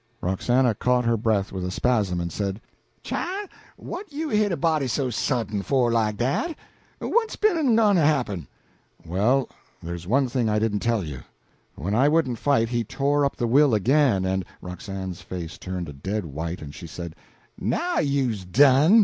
Roxana caught her breath with a spasm, and said "Chile! What you hit a body so sudden for, like dat? What's be'n en gone en happen'?" "Well, there's one thing I didn't tell you. When I wouldn't fight, he tore up the will again, and " Roxana's face turned a dead white, and she said "Now you's done!